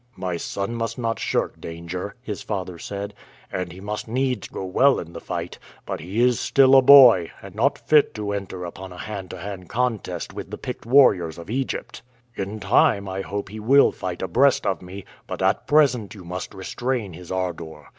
"My son must not shirk danger," his father said, "and he must needs go well in the fight; but he is still but a boy, not fit to enter upon a hand to hand contest with the picked warriors of Egypt. In time I hope he will fight abreast of me, but at present you must restrain his ardor.